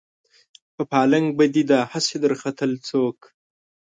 په پالنګ به دې دا هسې درختل څوک